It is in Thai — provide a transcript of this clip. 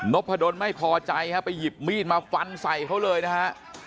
พะดนไม่พอใจฮะไปหยิบมีดมาฟันใส่เขาเลยนะฮะ